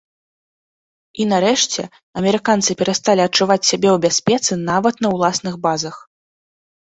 І нарэшце, амерыканцы перасталі адчуваць сябе ў бяспецы нават на ўласных базах.